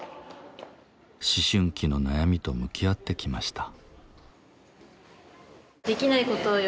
思春期の悩みと向き合ってきました。